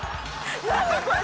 何これ⁉